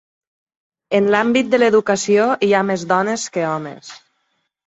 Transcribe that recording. En l'àmbit de l'educació hi ha més dones que homes.